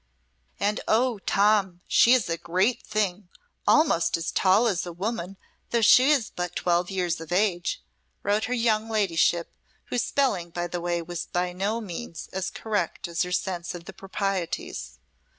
"And oh, Tom, she is a grate thing, almost as tall as a woman though she is but twelve years of age," wrote her young Ladyship, whose spelling, by the way, was by no means as correct as her sense of the proprieties.